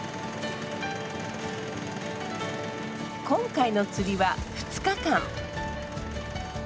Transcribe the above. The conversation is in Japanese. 今回の釣りは２日間。